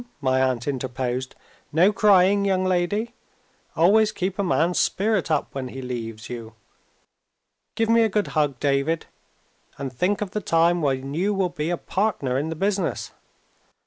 my aunt interposed; "no crying, young lady! Always keep a man's spirits up when he leaves you. Give me a good hug, David and think of the time when you will be a partner in the business."